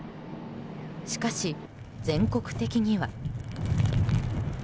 しかし全国的には。